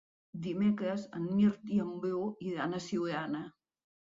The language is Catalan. Dimecres en Mirt i en Bru iran a Siurana.